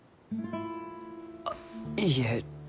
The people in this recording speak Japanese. あいいえ。